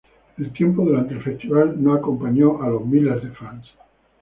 El tiempo durante el festival no acompañó a los miles de fans.